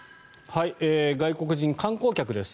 外国人観光客です。